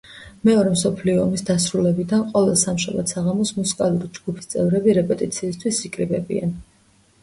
მეორე მსოფლიო ომის დასრულებიდან ყოველ სამშაბათ საღამოს მუსიკალური ჯგუფის წევრები რეპეტიციისთვის იკრიბებიან.